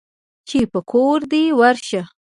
چې په کور دى ورشه.